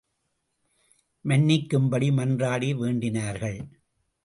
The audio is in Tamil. மன்னிக்கும்படி மன்றாடி வேண்டினர்கள்.